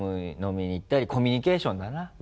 飲みに行ったりコミュニケーションだな。